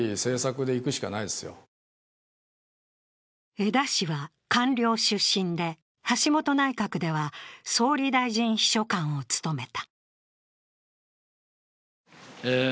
江田氏は官僚出身で、橋本内閣では総理大臣秘書官を務めた。